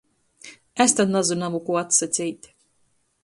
Es tod nazynuoju, kū atsaceit.